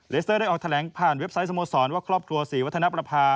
สเตอร์ได้ออกแถลงผ่านเว็บไซต์สโมสรว่าครอบครัวศรีวัฒนประภา